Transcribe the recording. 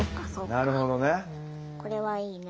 なるほどね。